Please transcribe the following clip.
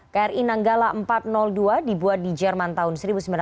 kri nanggala empat ratus dua dibuat di jerman tahun seribu sembilan ratus enam puluh